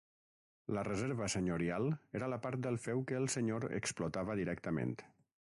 La reserva senyorial era la part del feu que el senyor explotava directament.